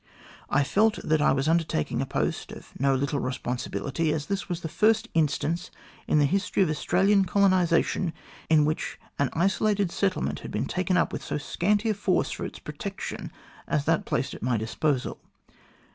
I felt that I was undertaking a post of no little responsibility, as this was the first instance in the history of Australian colonisation in which an isolated settlement had been taken up with so scanty a force for its protection as that placed at my disposal.